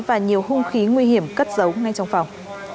và nhiều hung khí nguy hiểm cất giấu ngay trong phòng